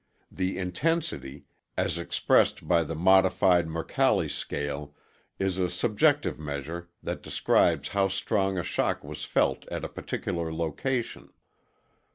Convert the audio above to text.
The intensity, as expressed by the Modified Mercalli Scale, is a subjective measure that describes how strong a shock was felt at a particular location.